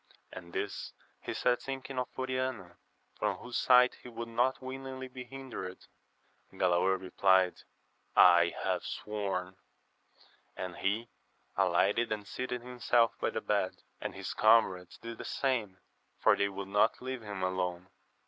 And this he said thinking of Oriana, from whose sight he would not willingly be hindered. Gkdaor replied, I have sworn. And he alighted and seated himself by the bed, and his comrades did the same, for they would not leave him alone.